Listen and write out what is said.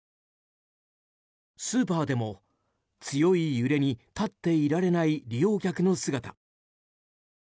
スーパーでも強い揺れに立っていられない利用客の姿。